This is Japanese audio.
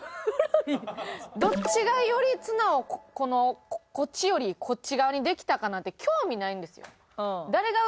どっちがより綱をこっちよりこっち側にできたかなんて興味ないんですよ。